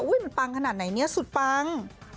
มันปังขนาดไหนเนี่ยสุดปัง